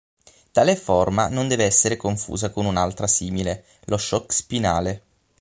Tale forma non deve essere confusa con un'altra simile, lo shock spinale.